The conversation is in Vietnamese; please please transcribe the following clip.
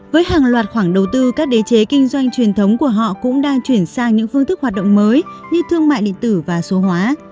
với hàng loạt khoảng đầu tư các đế chế kinh doanh truyền thống của họ cũng đang chuyển sang những phương thức hoạt động mới như thương mại điện tử và số hóa